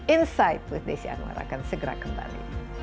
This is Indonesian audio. insight with desi anwar akan segera kembali